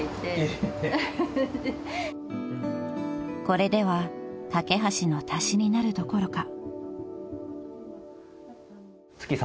［これではかけはしの足しになるどころか］